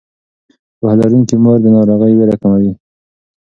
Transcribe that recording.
پوهه لرونکې مور د ناروغۍ ویره کموي.